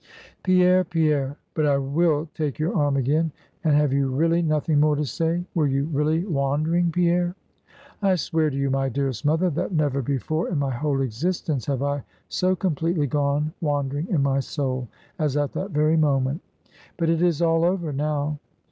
"Pierre, Pierre! but I will take your arm again; and have you really nothing more to say? were you really wandering, Pierre?" "I swear to you, my dearest mother, that never before in my whole existence, have I so completely gone wandering in my soul, as at that very moment. But it is all over now."